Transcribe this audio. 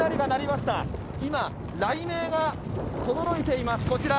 今、雷鳴がとどろいていますこちら。